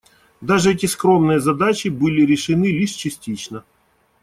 Даже эти скромные задачи были решены лишь частично.